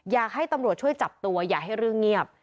อยากให้ตำรวจช่วยจับตัวอย่าให้เรื่องเงียบ